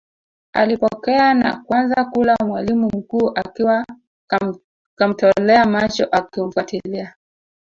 Alipokea na kuanza kula mwalimu mkuu akiwa kamtolea macho akimfuatilia